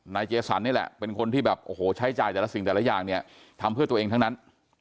เจสันนี่แหละเป็นคนที่แบบโอ้โหใช้จ่ายแต่ละสิ่งแต่ละอย่างเนี่ยทำเพื่อตัวเองทั้งนั้น